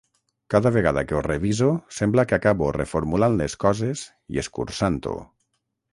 Cada vegada que ho reviso sembla que acabo reformulant les coses i escurçant-ho.